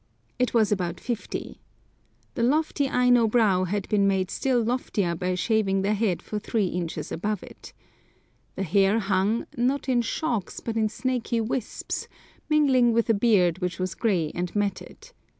It was about fifty. The lofty Aino brow had been made still loftier by shaving the head for three inches above it. The hair hung, not in shocks, but in snaky wisps, mingling with a beard which was grey and matted.